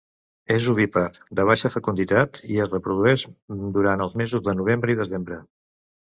És ovípar, de baixa fecunditat i es reprodueix durant els mesos de novembre i desembre.